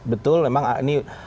betul memang ini